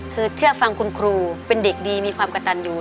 คือเชื่อฟังคุณครูเป็นเด็กดีมีความกระตันอยู่